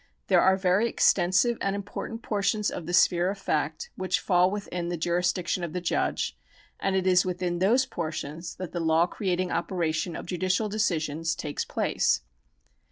There are very extensive and im portant portions of the sphere of fact which fall within the jurisdiction of the judge, and it is within those portions that the law creating operation of judicial decisions takes place.